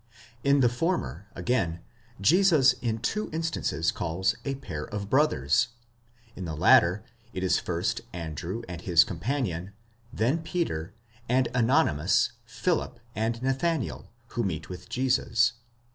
In the former, again, Jesus in two instances calls a pair of brothers ; in the latter, it is first Andrew and his companion, then Peter, and anon Philip and Nathanael, who meet with Jesus.